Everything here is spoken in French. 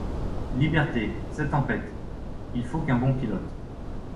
Liberté, c'est tempête. Il faut qu'un bon pilote